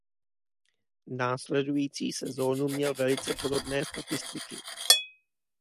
Následující sezónu měl velice podobné statistiky.